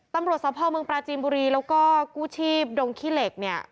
ตำรวจสภเมืองปราจีนบุรีแล้วก็กู้ชีพดงขี้เหล็กเนี่ย